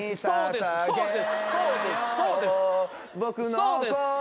「そうです